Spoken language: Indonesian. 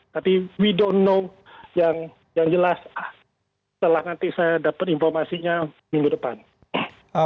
tapi we don know yang jelas setelah nanti saya dapat informasinya minggu depan